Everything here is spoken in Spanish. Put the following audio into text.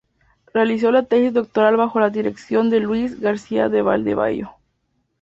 Realizó la tesis doctoral bajo la dirección de Luis García de Valdeavellano.